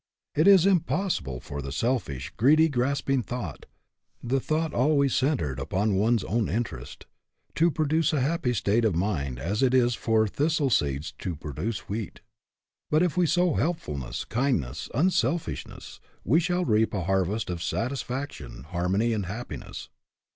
It is as impossible for the selfish, greedy, grasping thought, the thought always cen tered upon one's own interest, to produce a happy state of mind as it is for thistle seeds to produce wheat. But if we sow helpfulness, kindness, unselfishness, we shall reap a harvest of satisfaction, harmony, and happiness.